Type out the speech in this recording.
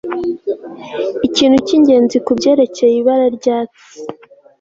ikintu cyingenzi kubyerekeye ibara ryatsi